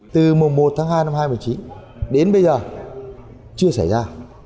từ mùa một tháng hai năm hai nghìn một mươi chín đến bây giờ chưa xảy ra